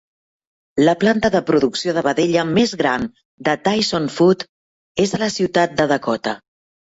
La planta de producció de vedella més gran de Tyson Food és a la ciutat de Dakota.